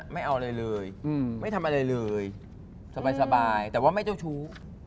ไม่เอาอะไรเลยไม่ทำอะไรเลยสบายแต่ว่าไม่เจ้าชู้